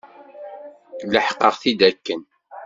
Leḥqeɣ-t-id akken.